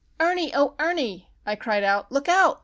"Ernie! Oh, Ernie!" I cried. "Look out!